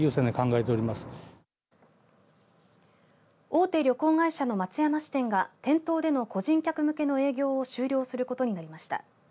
大手旅行会社の松山支店が店頭での個人客向けの営業を終了することになりました。